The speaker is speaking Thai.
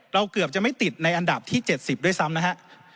เกือบจะไม่ติดในอันดับที่๗๐ด้วยซ้ำนะฮะ